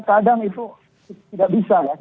jadi kadang kadang itu tidak bisa ya